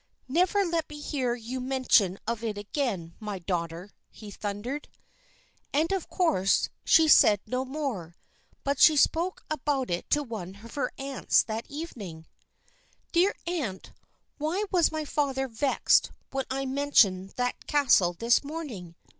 "Never let me hear you make mention of it again, my daughter!" he thundered. And of course she said no more, but she spoke about it to one of her aunts that evening. "Dear aunt, why was my father vexed when I mentioned that castle this morning?"